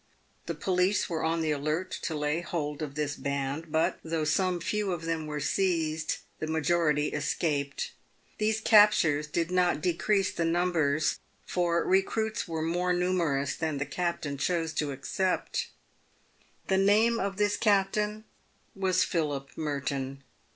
The police were on the alert to lay hold of this band, but, though some few of them were seized, the majority escaped. These captures did not decrease the numbers, for recruits were more numerous than the captain chose to accept. The name of this captain was Philip Merton.